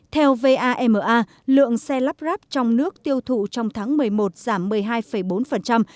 theo vama lượng xe lắp ráp trong nước tiêu thụ trong tháng một mươi một giảm một mươi hai bốn